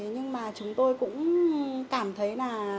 nhưng mà chúng tôi cũng cảm thấy là